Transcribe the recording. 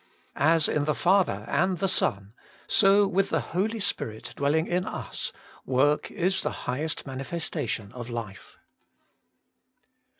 As in the Father and the Son, so with the Holy Spirit dwelling in us, work is the highest manifestation of life.